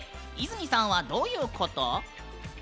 泉さんはどういうこと？